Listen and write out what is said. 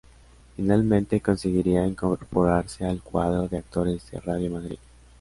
Finalmente, conseguiría incorporarse al cuadro de actores de Radio Madrid.